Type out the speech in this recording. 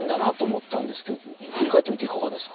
振り返ってみていかがですか？